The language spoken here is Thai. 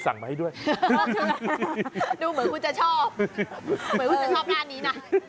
มาให้ด้วยดูเหมือนคุณจะชอบเหมือนคุณจะชอบหน้านี้นะ